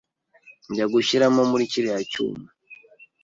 njya gushyiramo muri kiriya cyuma